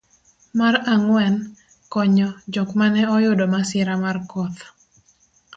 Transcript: mar ang'wen, konyo jok mane oyudo masira mar koth